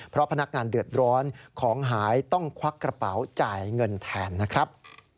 เพราะพนักงานเดือดร้อนของหายต้องควักกระเป๋าจ่ายเงินแทนนะครับ